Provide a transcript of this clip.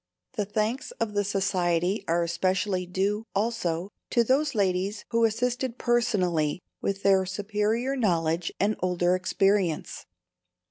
The thanks of the Society are especially due, also, to those ladies who assisted personally with their superior knowledge and older experience.